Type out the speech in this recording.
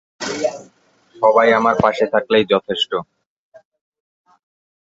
সবাই আমার পাশে থাকলেই যথেষ্ট।